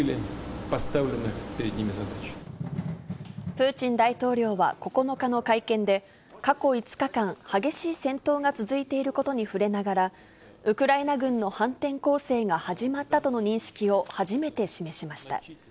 プーチン大統領は９日の会見で、過去５日間、激しい戦闘が続いていることに触れながら、ウクライナ軍の反転攻勢が始まったとの認識を初めて示しました。